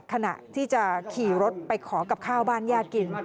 ขณะที่จะขี่รถไปขอกับข้าวบ้านญาติกิน